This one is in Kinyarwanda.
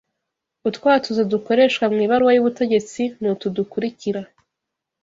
utwatuzo dukoreshwa mu ibaruwa y’ubutegetsi ni utu dukurikira